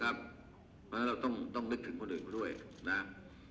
เพราะฉะนั้นเราต้องนึกถึงพอดื่มกันด้วยนะครับ